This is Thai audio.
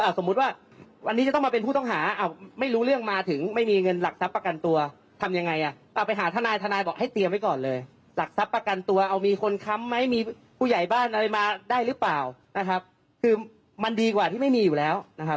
สมมุติว่าวันนี้จะต้องมาเป็นผู้ต้องหาไม่รู้เรื่องมาถึงไม่มีเงินหลักทรัพย์ประกันตัวทำยังไงอ่ะไปหาทนายทนายบอกให้เตรียมไว้ก่อนเลยหลักทรัพย์ประกันตัวเอามีคนค้ำไหมมีผู้ใหญ่บ้านอะไรมาได้หรือเปล่านะครับคือมันดีกว่าที่ไม่มีอยู่แล้วนะครับ